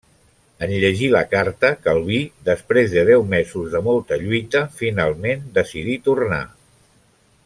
En llegir la carta, Calví, després de deu mesos de molta lluita, finalment decidí tornar.